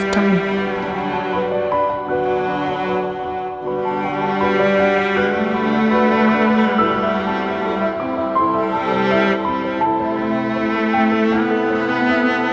kamu pokoknya jangan salah paham